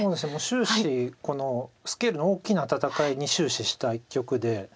終始スケールの大きな戦いに終始した一局で。